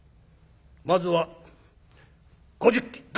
まずは５０金」。